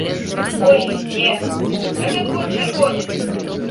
Ой, не, гэта твой чырвонец!